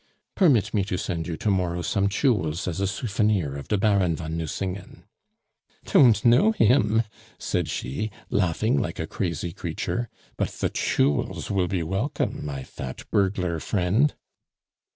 "Permit me to sent you to morrow some chewels as a soufenir of de Baron von Nucingen." "Don't know him!" said she, laughing like a crazy creature. "But the chewels will be welcome, my fat burglar friend."